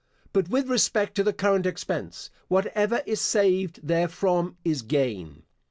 But with respect to the current expense, whatever is saved therefrom is gain.